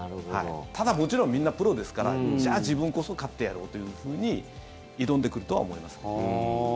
ただ、もちろんみんなプロですからじゃあ自分こそ勝ってやろうというふうに挑んでくるとは思います。